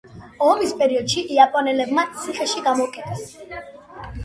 ომის პერიოდში იაპონელებმა ციხეში გამოკეტეს.